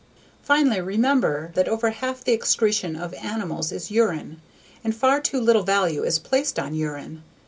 Finally, remember that over half the excretion of animals is urine. And far too little value is placed on urine.